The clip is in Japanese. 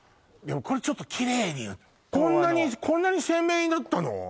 これちょっとキレイにこんなにこんなに鮮明だったの！？